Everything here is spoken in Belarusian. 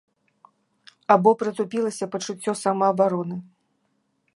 Або прытупілася пачуццё самаабароны.